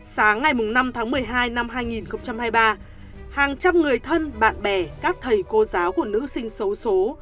sáng ngày năm tháng một mươi hai năm hai nghìn hai mươi ba hàng trăm người thân bạn bè các thầy cô giáo của nữ sinh xấu số